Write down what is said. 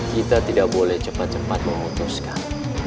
kita tidak boleh cepat cepat memutuskan